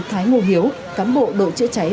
thái ngô hiếu cán bộ đội chữa cháy